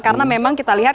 karena memang kita lihat